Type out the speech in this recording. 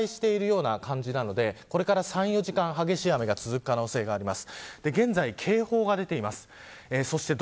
この辺りで停滞しているような感じなのでこれから３、４時間は激しい雨が続く可能性があります。